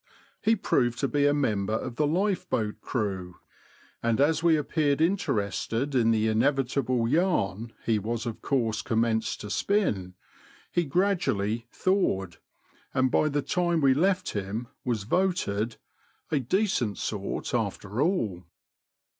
He proved to be a member of the lifeboat crew, and as we appeared interested in the inevitable yarn he of course commenced to spin, he gradually thawed," and by the time we left him was voted •* a decent sort after all."